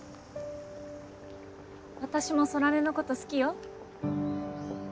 私も空音のこと好きよ